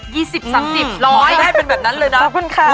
ได้เป็นแบบนั้นเลยนะ